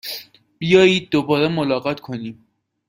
بیایید دوباره ملاقات کنیم!